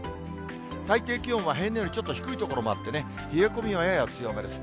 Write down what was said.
最低気温は平年よりちょっと低い所もあってね、冷え込みはやや強めです。